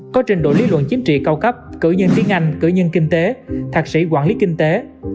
có trình độ lý luận chính trị cao cấp cử nhân tiếng anh cử nhân kinh tế thạc sĩ quản lý kinh tế